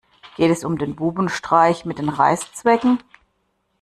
Geht es um den Bubenstreich mit den Reißzwecken?